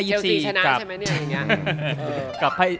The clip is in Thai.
เชลซีชนะใช่ไหมเนี่ย